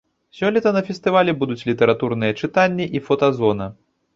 Сёлета на фестывалі будуць літаратурныя чытанні і фотазона.